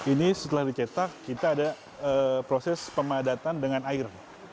ini setelah dicetak kita ada proses pemadatan dengan air